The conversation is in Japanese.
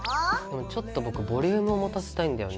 ちょっと僕ボリュームをもたせたいんだよね。